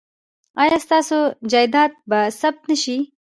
ایا ستاسو جایداد به ثبت نه شي؟